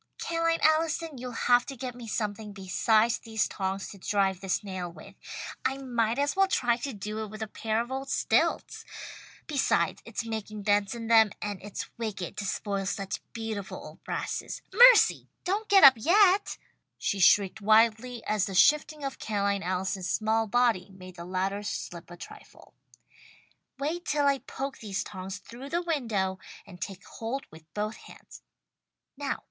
"Ca'line Allison, you'll have to get me something besides these tongs to drive this nail with. I might as well try to do it with a pair of stilts. Besides it's making dents in them, and it's wicked to spoil such beautiful old brasses. Mercy! Don't get up yet!" she shrieked wildly, as the shifting of Ca'line Allison's small body made the ladder slip a trifle. "Wait till I poke these tongs through the window and take hold with both hands. Now!